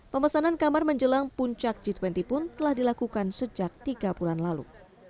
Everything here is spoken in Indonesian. pemesanan kamar menjelang puncak g dua puluh pun telah dilakukan sejak tiga bulan lalu